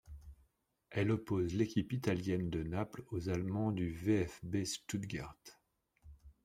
Elle oppose l'équipe italienne de Naples aux Allemands du VfB Stuttgart.